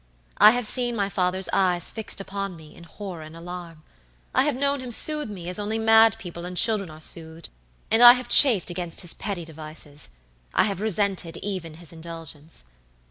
I have seen my father's eyes fixed upon me in horror and alarm. I have known him soothe me as only mad people and children are soothed, and I have chafed against his petty devices, I have resented even his indulgence.